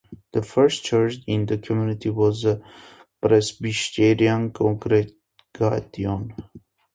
The first church in the community was a Presbyterian congregation.